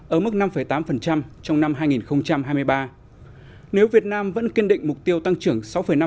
ở mức năm tám trong năm hai nghìn hai mươi ba nếu việt nam vẫn kiên định mục tiêu tăng trưởng sáu năm